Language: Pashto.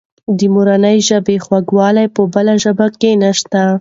د مورنۍ ژبې خوږوالی په بله ژبه کې نسته.